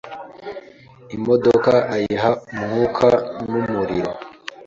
Imodoka ayiha umwuka n'umuriro